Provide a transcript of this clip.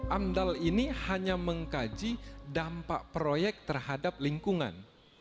amdal ini hanya mengkaji dampak proyek terhadap lingkungan